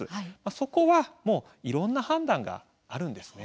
そこは、いろんな判断があるんです。